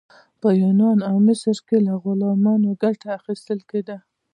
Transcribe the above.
په یونان او مصر کې له غلامانو ګټه اخیستل کیده.